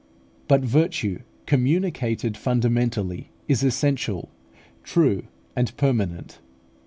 But virtue communicated fundamentally is essential, true, and permanent.